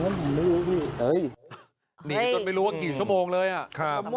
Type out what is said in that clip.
ผมไม่รู้พี่หนีจนไม่รู้ว่ากี่ชั่วโมงเลยอ่ะครับ